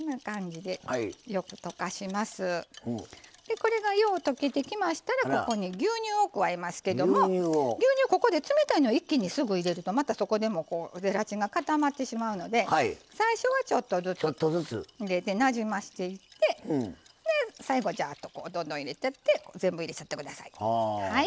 これがよう溶けてきましたらここに牛乳を加えますけども牛乳ここで冷たいのを一気にすぐ入れるとまたそこでもゼラチンが固まってしまうので最初はちょっとずつ入れてなじませていって最後はジャーッとどんどん入れて全部入れちゃって下さい。